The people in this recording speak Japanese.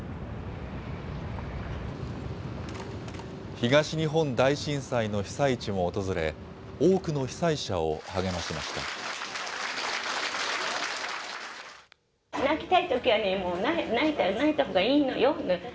東日本大震災の被災地も訪れ、多くの被災者を励ましました。